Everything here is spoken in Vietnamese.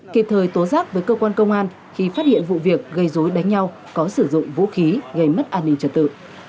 kịp thời tố giác với cơ quan công an khi phát hiện vụ việc gây dối đánh nhau có sử dụng vũ khí gây mất an ninh trật tự